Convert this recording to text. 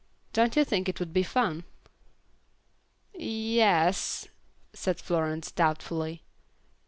Don't you think it would be fun?" "Ye es," said Florence, doubtfully.